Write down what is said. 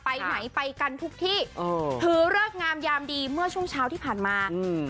ไปไหนไปกันทุกที่เออถือเลิกงามยามดีเมื่อช่วงเช้าที่ผ่านมาอืม